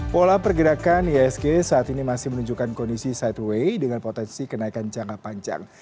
pola pergerakan isg saat ini masih menunjukkan kondisi sideway dengan potensi kenaikan jangka panjang